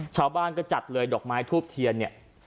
ชาวบ้านก็จัดเลยดอกไม้ทูบเทียนเนี่ย